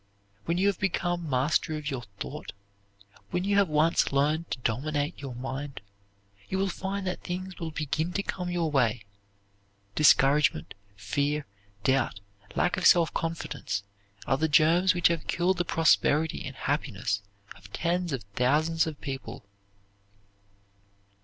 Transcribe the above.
When you have become master of your thought, when you have once learned to dominate your mind, you will find that things will begin to come your way. Discouragement, fear, doubt, lack of self confidence, are the germs which have killed the prosperity and happiness of tens of thousands of people.